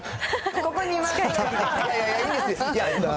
ここにいます。